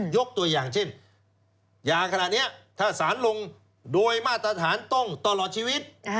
ยกตัวอย่างเช่นยาขนาดนี้ถ้าสารลงโดยมาตรฐานต้องตลอดชีวิต